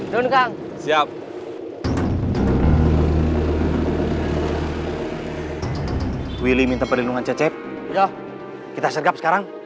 jangan lupa kamu harus berhati hati